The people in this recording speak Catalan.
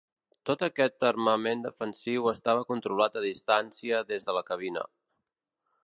Tot aquest armament defensiu estava controlat a distància des de la cabina.